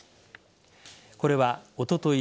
これはおととい